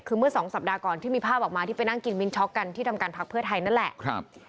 คือเมื่อสองสัปดาห์ก่อนที่มีภาพออกมาที่ไปนั่งกินมิ้นช็อกกันที่ทำการพักเพื่อไทยนั่นแหละ